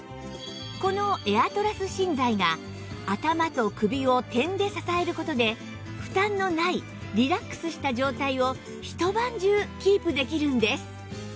このエアトラス芯材が頭と首を点で支える事で負担のないリラックスした状態をひと晩中キープできるんです